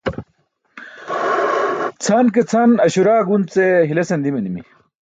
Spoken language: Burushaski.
chan ke chan Aśura gunce hilesan dimanimi